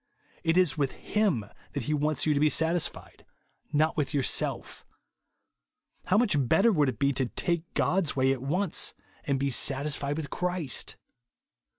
It is v/ith Hiifn that he wants you to be satisfied, not with yourself How much better would it be to take God's way at once, and be satisfied with Christ